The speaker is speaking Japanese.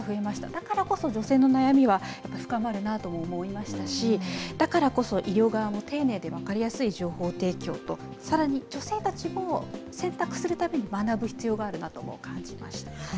だからこそ女性の悩みは深まるなとも思いましたし、だからこそ、医療側も丁寧で分かりやすい情報提供と、さらに女性たちも選択するために学ぶ必要があるなとも感じました。